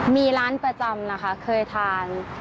มีร้านประจำนะคะเคยทาน